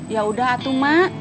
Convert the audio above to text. ya udah atuh mak